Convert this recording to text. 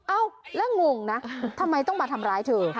เอ้าแล้วงงนะทำไมต้องมาทำร้ายเธอ